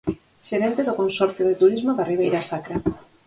Xerente do Consorcio de Turismo da Ribeira Sacra.